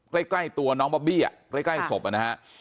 ใกล้ใกล้ตัวน้องบ๊อบบี้อ่ะใกล้ใกล้ศพอ่ะนะฮะ